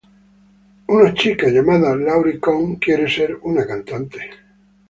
Una chica llamada Laurie Conn quiere ser una cantante.